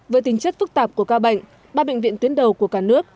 với tính chất phức tạp của ca bệnh ba bệnh viện tuyến đầu của cả nước